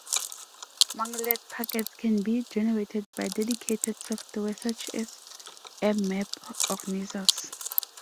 Mangled packets can be generated by dedicated software such as nmap or Nessus.